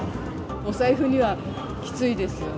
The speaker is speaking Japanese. お財布にはきついですよね。